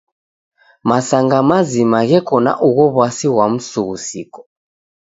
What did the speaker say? Masanga mazima gheko na ugho w'asi ghwa msughusiko.